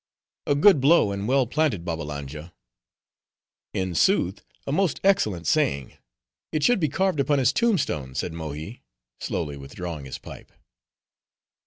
"A good blow and well planted, Babbalanja." "In sooth, a most excellent saying; it should be carved upon his tombstone," said Mohi, slowly withdrawing his pipe.